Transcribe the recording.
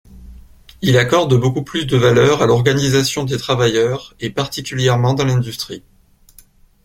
Il accorde beaucoup plus de valeur à l'organisation des travailleurs, et particulièrement dans l'industrie.